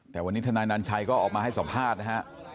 แต่วันนี้ทนายนันชัยก็ออกมาให้สัมภาษณ์นะฮะ